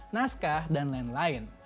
naskah dan lain lain